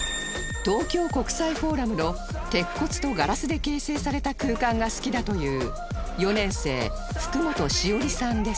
東京国際フォーラムの鉄骨とガラスで形成された空間が好きだという４年生福本史織さんですが